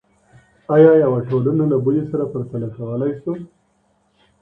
آیا یوه ټولنه له بلې سره پرتله کولی سو؟